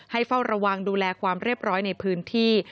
เฝ้าระวังดูแลความเรียบร้อยในพื้นที่